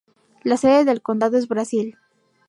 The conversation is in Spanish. La sede del condado es Brazil.